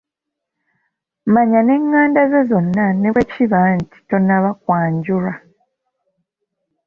Manya n'enganda ze zonna ne bwe kiba nti tonnaba kwanjulwa.